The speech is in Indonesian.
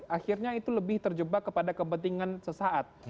akhirnya itu lebih terjebak kepada kepentingan sesaat